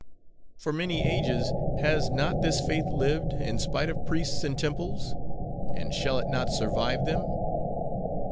"For many ages has not this faith lived, in spite of priests and temples? and shall it not survive them?